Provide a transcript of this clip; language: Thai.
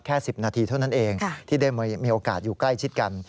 ๑๐นาทีเท่านั้นเองที่ได้มีโอกาสอยู่ใกล้ชิดกัน